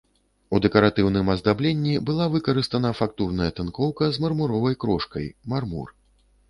У дэкаратыўным аздабленні была выкарыстана фактурная тынкоўка з мармуровай крошкай, мармур.